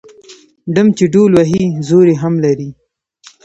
ـ ډم چې ډول وهي زور يې هم لري.